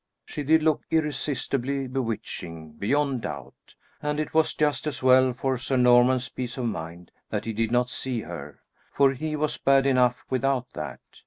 She did look irresistibly bewitching beyond doubt; and it was just as well for Sir Norman's peace of mind that he did not see her, for he was bad enough without that.